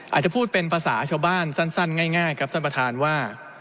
อาจจะพูดเป็นภาษาชาวบ้านสั้นง่ายครับท่านประธานว่า